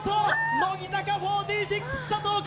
乃木坂４６佐藤楓